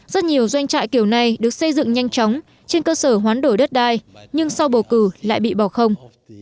rất nhiều doanh trại kiểu này được xây dựng nhanh chóng trên cơ sở hoán đổi đất đai nhưng sau bầu cử lại bị bỏ không